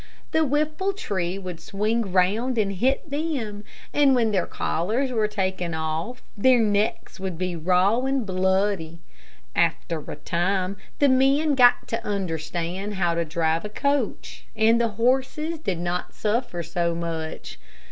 The whiffle tree would swing round and hit them, and when their collars were taken off, their necks would be raw and bloody. After a time, the men got to understand how to drive a coach, and the horses did not suffer so much.